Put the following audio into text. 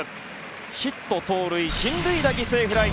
ヒット、盗塁進塁打、犠牲フライ。